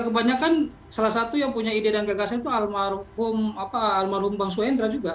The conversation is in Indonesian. kebanyakan salah satu yang punya ide dan gagasan itu almarhum bang suhendra juga